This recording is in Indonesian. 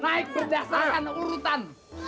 naik berdasarkan urutan